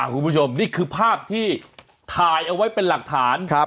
คุณผู้ชมนี่คือภาพที่ถ่ายเอาไว้เป็นหลักฐาน